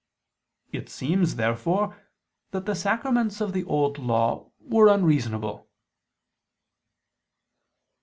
It seems, therefore, that the sacraments of the Old Law were unreasonable.